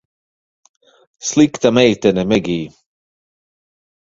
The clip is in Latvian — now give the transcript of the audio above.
Slikta meitene, Megij.